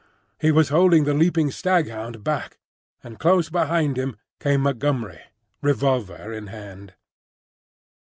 He was holding the leaping staghound back, and close behind him came Montgomery revolver in hand.